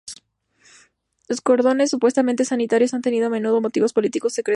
Los cordones supuestamente sanitarios han tenido a menudo motivos políticos secretos.